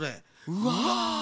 うわ。